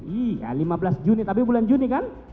iya lima belas juni tapi bulan juni kan